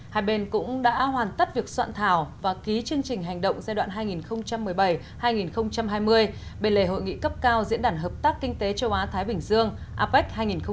hai bên cũng đã hoàn tất việc soạn thảo và ký chương trình hành động giai đoạn hai nghìn một mươi bảy hai nghìn hai mươi bên lề hội nghị cấp cao diễn đàn hợp tác kinh tế châu á thái bình dương apec hai nghìn một mươi tám